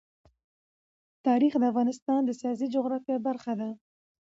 تاریخ د افغانستان د سیاسي جغرافیه برخه ده.